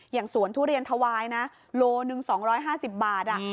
อย่างสวนทุเรียนทวายนะโล๑๒๕๐บาทอ่ะ